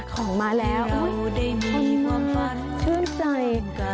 ของมาแล้วชื่นใจ